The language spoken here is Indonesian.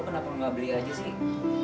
lo kenapa gak beli aja sih